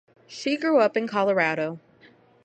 She grew up in Colorado.